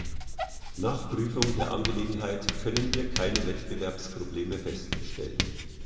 Nach Prüfung der Angelegenheit können wir keine Wettbewerbsprobleme feststellen.